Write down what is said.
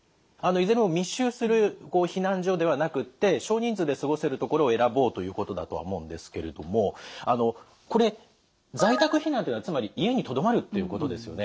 いずれも密集する避難所ではなくて少人数で過ごせる所を選ぼうということだとは思うんですけれどもあのこれ在宅避難というのはつまり家にとどまるということですよね。